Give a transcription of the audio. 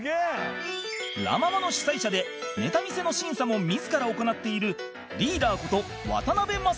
ラ・ママの主催者でネタ見せの審査も自ら行っているリーダーこと渡辺正行